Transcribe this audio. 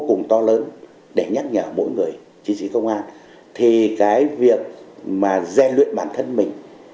cùng to lớn để nhắc nhở mỗi người chiến sĩ công an thì cái việc mà rèn luyện bản thân mình